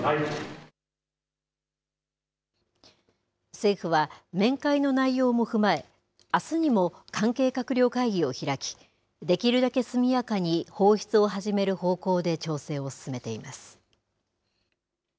政府は、面会の内容も踏まえ、あすにも関係閣僚会議を開き、できるだけ速やかに放出を始める方向で調整を進めています。